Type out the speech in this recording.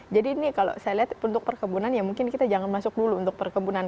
jadi ini kalau saya lihat untuk perkebunan ya mungkin kita jangan masuk dulu untuk perkebunan